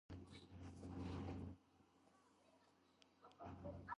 წარმოდგენილია რამდენიმე ოაზისი, ისიც მდინარეთა სიახლოვეს.